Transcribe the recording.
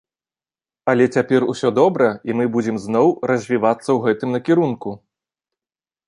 Але цяпер усё добра, і мы будзем зноў развівацца ў гэтым накірунку.